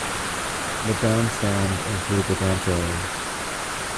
The bandstand includes a dance area.